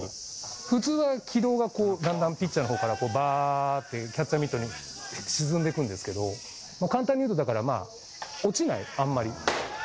ふつうは軌道が、こう、だんだんピッチャーのほうから、ばーって、キャッチャーミットに沈んでくんですけど、簡単に言うと、だから、落ちない、あんまり。